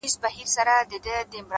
د زړه پاکوالی باور زېږوي؛